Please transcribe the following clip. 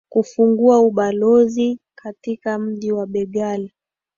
kufungua ubalozi katika mji wa begal